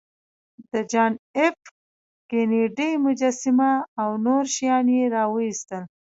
د جان ایف کینیډي مجسمه او نور شیان یې راویستل